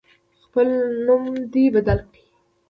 خپل نوم دی بدل کړي.